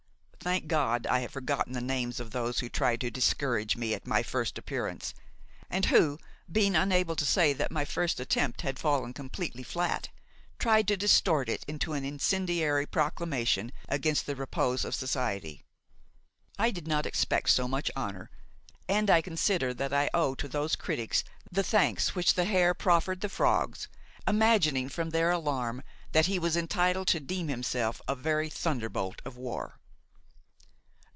Thank God, I have forgotten the names of those who tried to discourage me at my first appearance, and who, being unable to say that my first attempt had fallen completely flat, tried to distort it into an incendiary proclamation against the repose of society. I did not expect so much honor, and I consider that I owe to those critics the thanks which the hare proffered the frogs, imagining from their alarm that he was entitled to deem himself a very thunderbolt of war.